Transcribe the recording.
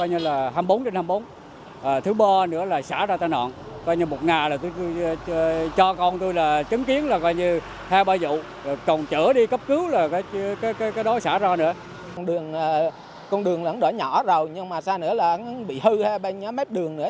nhưng mà xa nữa là bị hư bên nhóm mếp đường nữa